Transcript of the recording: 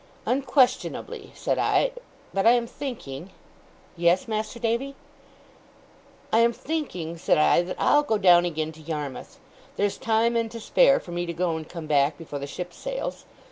'Unquestionably,' said I 'but I am thinking ' 'Yes, Mas'r Davy?' 'I am thinking,' said I, 'that I'll go down again to Yarmouth. There's time, and to spare, for me to go and come back before the ship sails.